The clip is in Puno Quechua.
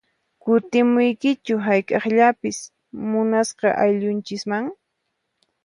Kutimunkichu hayk'aqllapis munasqa ayllunchisman?